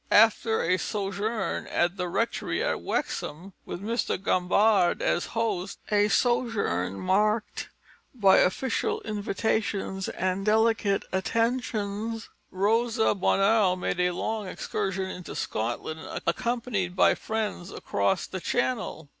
After a sojourn at the Rectory at Wexham, with Mr. Gambard as host, a sojourn marked by official invitations and delicate attentions, Rosa Bonheur made a long excursion into Scotland, accompanied by friends across the Channel.